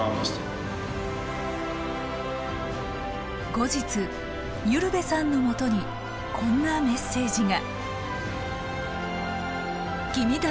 後日由留部さんのもとにこんなメッセージが。